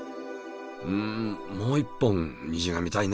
うんもう一本虹が見たいね。